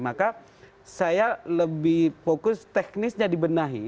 maka saya lebih fokus teknisnya dibenahi